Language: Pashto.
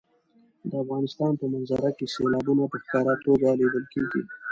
د افغانستان په منظره کې سیلابونه په ښکاره توګه لیدل کېږي.